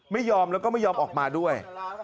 ไม่ยอมแล้วก็ไม่ยอมออกมาด้วย